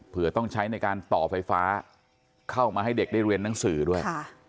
เพื่อต้องใช้ในการต่อไฟฟ้าเข้ามาให้เด็กได้เรียนหนังสือด้วย